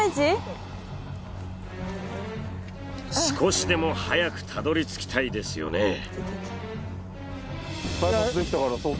少しでも早くたどり着きたいですよね。